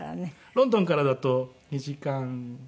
ロンドンからだと２時間ぐらいかな。